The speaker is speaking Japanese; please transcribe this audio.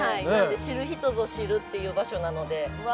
知る人ぞ知るっていう場所なので。